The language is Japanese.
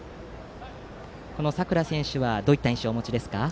佐倉選手にはどういった印象をお持ちですか？